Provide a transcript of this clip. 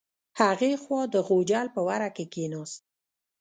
هغې خوا د غوجل په وره کې کیناست.